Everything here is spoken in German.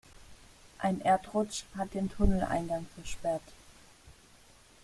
Ein Erdrutsch hat den Tunneleingang versperrt.